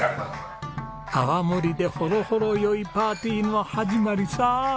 泡盛でほろほろ酔いパーティーの始まりさ！